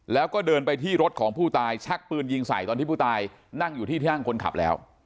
แล้วก็เดินไปที่รถของผู้ตายชักปืนยิงใส่ตอนที่ผู้ตายนั่งอยู่ที่ที่นั่งคนขับแล้ว